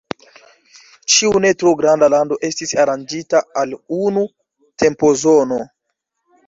Ĉiu ne tro granda lando estis aranĝita al unu tempozono.